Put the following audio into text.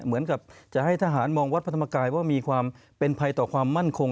เหมือนกับจะให้ทหารมองวัดพระธรรมกายว่ามีความเป็นภัยต่อความมั่นคง